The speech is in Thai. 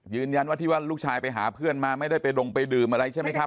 ยืนยันว่าที่ว่าลูกชายไปหาเพื่อนมาไม่ได้ไปดงไปดื่มอะไรใช่ไหมครับ